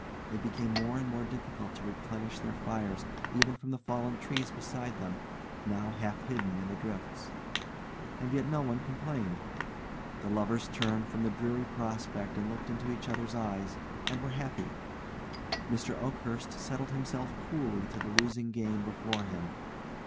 It became more and more difficult to replenish their fires, even from the fallen trees beside them, now half hidden in the drifts. And yet no one complained. The lovers turned from the dreary prospect and looked into each other's eyes, and were happy. Mr. Oakhurst settled himself coolly to the losing game before him.